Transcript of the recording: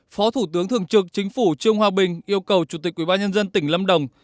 phó thủ tướng thường trực chính phủ trương hoa bình yêu cầu chủ tịch quỹ ban nhân dân tỉnh lâm đồng